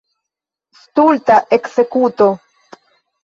Stulta ekzekuto!